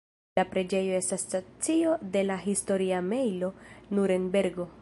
La preĝejo estas stacio de la Historia Mejlo Nurenbergo.